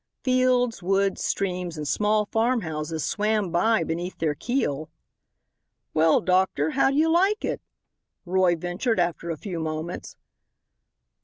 Fields, woods, streams and small farmhouses swam by beneath their keel. "Well, doctor, how do you like it?" Roy ventured, after a few moments.